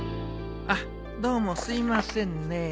あっどうもすいませんね。